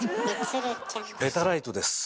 ペタライトです。